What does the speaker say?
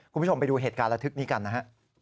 คุณผู้ชมไปดูเหตุการณ์ระทึกนี้กันนะฮะ